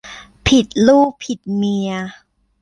ผิดลูกผิดเมีย